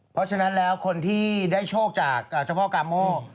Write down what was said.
เพราะฉะนั้นแล้วคนที่ได้โชคจากเจ้าพ่อกาโม